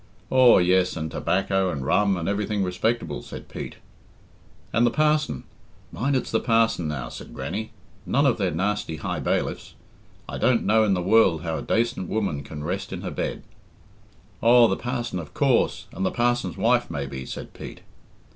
"Aw, yes, and tobacco and rum, and everything respectable," said Pete. "And the parson mind it's the parson now," said Grannie; "none of their nasty high bailiffs. I don't know in the world how a dacent woman can rest in her bed " "Aw, the parson, of coorse and the parson's wife, maybe," said Pete.